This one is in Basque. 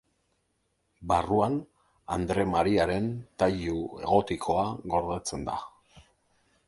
Barruan Andre Mariaren tailu gotikoa gordetzen da.